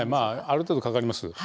ある程度かかります。